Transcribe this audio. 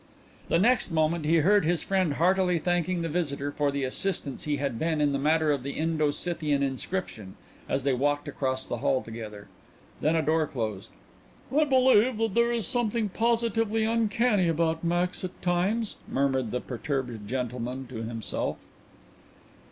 The next moment he heard his friend heartily thanking the visitor for the assistance he had been in the matter of the Indo Scythian inscription, as they walked across the hall together. Then a door closed. "I believe that there is something positively uncanny about Max at times," murmured the perturbed gentleman to himself.